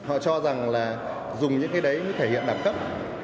họ cho rằng là dùng những cái đấy mới thể hiện đẳng cấp